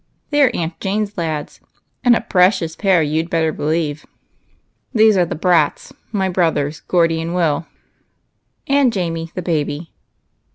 They are Aunt Jane's lads, and a precious pair you 'd better believe. These are the Brats, my brothers, Geordie and Will, and Jamie the Baby.